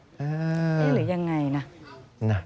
หรือยังไงนะ